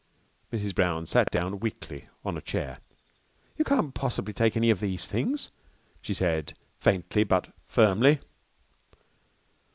Mrs. Brown sat down weakly on a chair. "You can't possibly take any of these things," she said faintly but firmly.